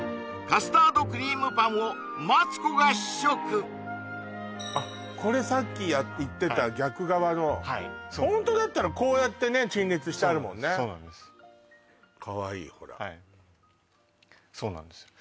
カスタードクリームパンをマツコが試食あっこれさっき言ってた逆側のホントだったらこうやってね陳列してあるもんねそうなんですかわいいほらそうなんですよ